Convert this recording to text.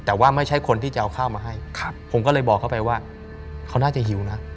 แต่ว่าไม่ใช่คนที่จะเอาข้าวมาให้ผมก็เลยบอกเขาไปว่าเขาน่าจะหิวนะ